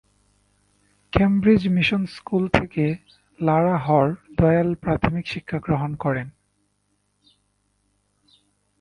Cambridge Mission School থেকে লালা হর দয়াল প্রাথমিক শিক্ষাগ্রহণ করেন।